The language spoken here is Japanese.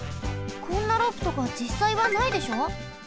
こんなロープとかじっさいはないでしょ？